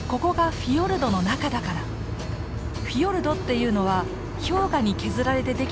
フィヨルドっていうのは氷河に削られてできた細くて狭い入り江。